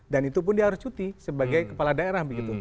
dan itu pun dia harus cuti sebagai kepala daerah